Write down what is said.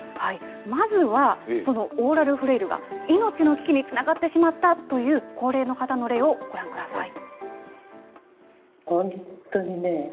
まずは、そのオーラルフレイルが命の危機につながってしまったという高齢の方の例をご覧ください。